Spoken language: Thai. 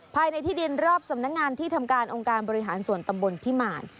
ภายในที่ดินรอบสำนักงานที่ทำการองค์การบริหารส่วนตำบลพิมาร